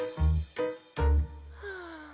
はあ。